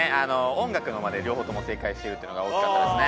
音楽の間で両方とも正解してるっていうのが大きかったですね。